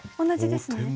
同じですね。